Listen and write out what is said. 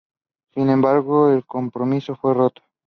Sin embargo, el compromiso fue roto.